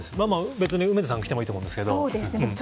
別に梅津さんが着てもいいと思うんですけど。